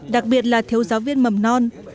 đặc biệt là thiếu giáo viên mầm non